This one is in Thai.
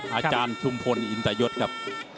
อาจารย์ชุมพลอินตยศครับ